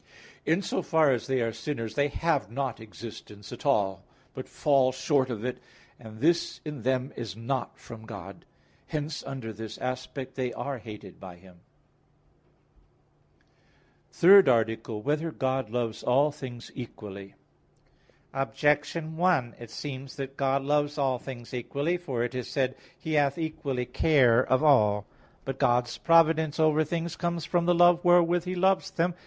In so far as they are sinners, they have not existence at all, but fall short of it; and this in them is not from God. Hence under this aspect, they are hated by Him. _______________________ THIRD ARTICLE [I, Q. 20, Art. 3] Whether God Loves All Things Equally? Objection 1: It seems that God loves all things equally. For it is said: "He hath equally care of all" (Wis. 6:8). But God's providence over things comes from the love wherewith He loves them.